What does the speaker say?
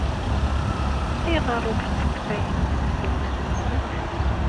Ayɣer ur tesseqsayemt aselmad-nwent?